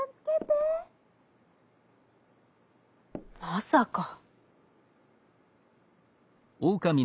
「まさか」。